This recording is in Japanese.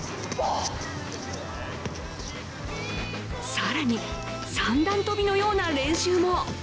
更に、三段跳のような練習も。